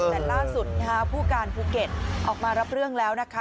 แต่ล่าสุดผู้การภูเก็ตออกมารับเรื่องแล้วนะคะ